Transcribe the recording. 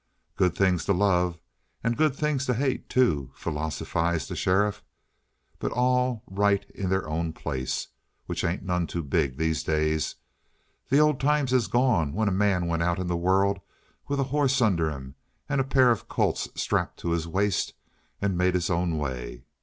"Good things to love, and good things to hate, too," philosophized the sheriff. "But all right in their own place, which ain't none too big, these days. The old times is gone when a man went out into the world with a hoss under him, and a pair of Colts strapped to his waist, and made his own way.